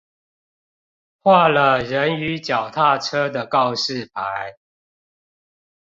畫了人與腳踏車的告示牌